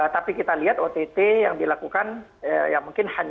tapi kita lihat ott yang dilakukan ya mungkin hanya